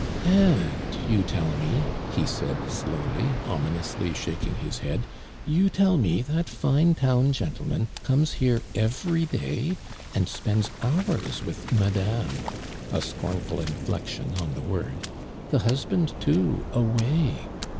" And, you tell me," he siii*!, slowly, ominously shaking his head, '• you tell me that tine town gentleman comes here every day, and spends hours with Madame, (a scornful inflexion on the word,) the husband too, away